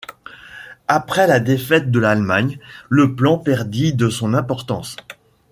Après la défaite de l'Allemagne, le plan perdit de son importance.